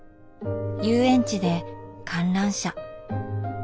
遊園地で観覧車。